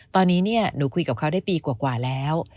ตอนนี้หนูคุยกับเขาได้ปีกว่าแล้ว